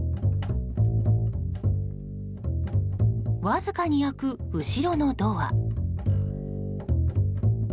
わずかに開く後ろのドア。